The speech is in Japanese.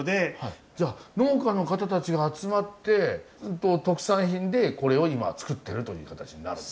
じゃあ農家の方たちが集まって特産品でこれを今造ってるという形になるんですね。